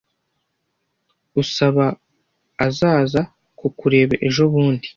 Usaba azaza kukureba ejobundi